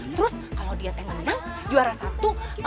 terus kalau dia teh menang juara satu